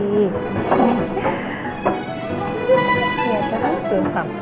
iya tuh hantu